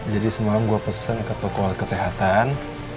jadi semalam gue pesen ke toko kesehatan